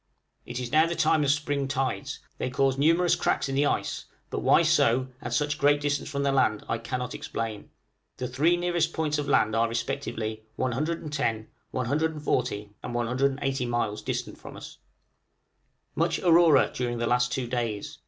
It is now the time of spring tides; they cause numerous cracks in the ice; but why so, at such a great distance from the land, I cannot explain. The three nearest points of land are respectively 110, 140, and 180 miles distant from us. Much aurora during the last two days.